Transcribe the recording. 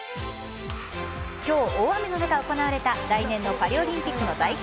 今日、大雨の中行われた来年のパリオリンピックの代表